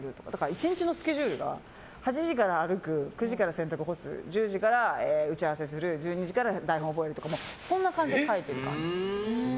１日のスケジュールが８時から歩く９時から洗濯干す１０時から打ち合わせする１２時から台本覚えるとかそんな感じで書いている感じ。